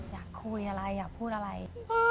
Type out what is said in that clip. อยากคุยอะไรอยากพูดอะไร